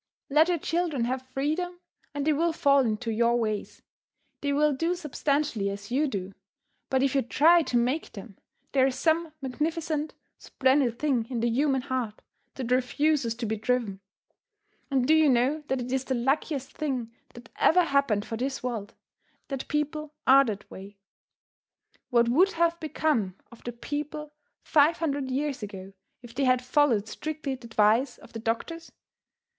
Let your children have freedom and they will fall into your ways; they will do substantially as you do; but if you try to make them, there is some magnificent, splendid thing in the human heart that refuses to be driven. And do you know that it is the luckiest thing that ever happened for this world, that people are that way. What would have become of the people five hundred years ago if they had followed strictly the advice of the doctors?